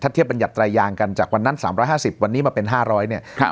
เทียบบรรยัตรายางกันจากวันนั้น๓๕๐วันนี้มาเป็น๕๐๐เนี่ย